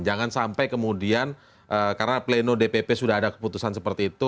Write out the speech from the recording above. jangan sampai kemudian karena pleno dpp sudah ada keputusan seperti itu